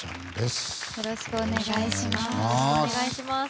よろしくお願いします。